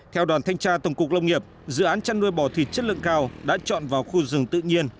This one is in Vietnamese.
theo đoàn thanh tra tổng cục lông nghiệp dự án chăn nuôi bò thịt chất lượng cao đã chọn vào khu rừng tự nhiên